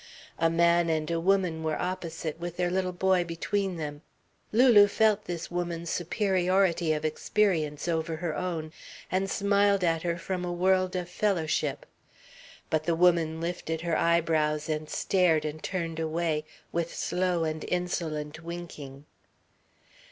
A man and a woman were opposite, with their little boy between them. Lulu felt this woman's superiority of experience over her own, and smiled at her from a world of fellowship. But the woman lifted her eyebrows and stared and turned away, with slow and insolent winking.